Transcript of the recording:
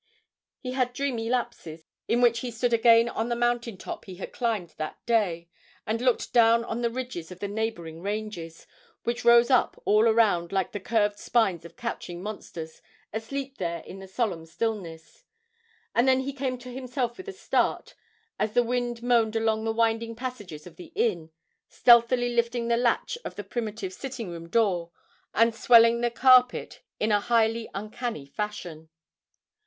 He had dreamy lapses, in which he stood again on the mountain top he had climbed that day, and looked down on the ridges of the neighbouring ranges, which rose up all around like the curved spines of couching monsters asleep there in the solemn stillness and then he came to himself with a start as the wind moaned along the winding passages of the inn, stealthily lifting the latch of the primitive sitting room door, and swelling the carpet in a highly uncanny fashion.